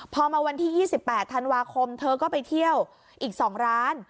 พอมาวันที่๒๘ธันวาคมเธอก็ไปเที่ยวอีก๒ร้าน